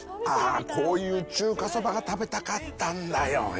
ああこういう中華そばが食べたかったんだよ。